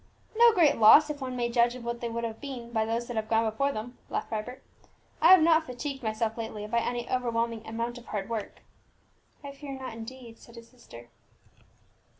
"No great loss, if one may judge of what they would have been by those that have gone before them," laughed Vibert. "I have not fatigued myself lately by any overwhelming amount of hard work." "I fear not indeed," said his sister.